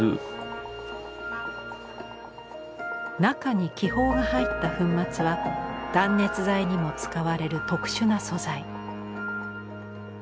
中に気泡が入った粉末は断熱材にも使われる特殊な素材。